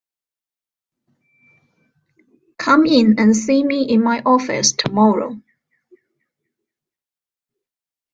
Come in and see me in my office tomorrow.